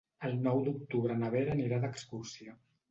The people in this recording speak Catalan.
El nou d'octubre na Vera anirà d'excursió.